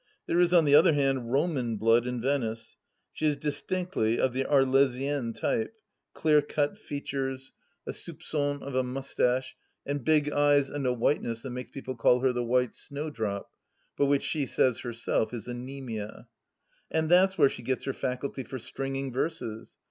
There is, on the other hand, Roman blood in Venice. She is distinctly of the Arlesienne type — clear cut features, a THE LAST DITCH 69 soupqon of a moustache, and big eyes and a whiteness that makes people call her " The White Snowdrop," but which she says herself is anaemia. And that's where she gets her faculty for stringing verses.